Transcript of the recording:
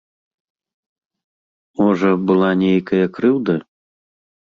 Можа, была нейкая крыўда?